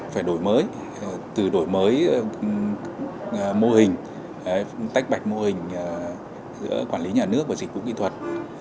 phải đổi mới từ đổi mới mô hình tách bạch mô hình giữa quản lý nhà nước và dịch vụ kỹ thuật